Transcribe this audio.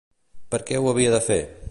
Per què ho havia de fer?